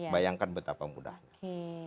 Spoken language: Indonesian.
bayangkan betapa mudahnya